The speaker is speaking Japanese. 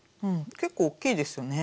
結構大きいですよね。